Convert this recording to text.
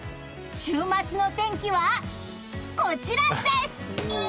週末の天気はこちらです！